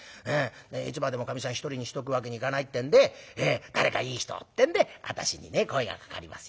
いつまでもかみさん一人にしとくわけにいかないってんで誰かいい人をってんで私にね声がかかりますよ。